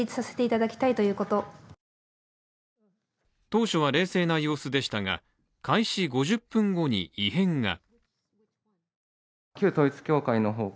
当初は冷静な様子でしたが開始５０分後に異変が。